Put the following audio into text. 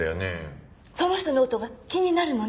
その人の事が気になるのね？